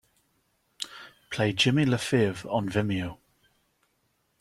Play Jimmy Lafave on Vimeo.